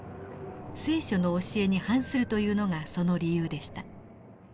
「聖書」の教えに反するというのがその理由でした。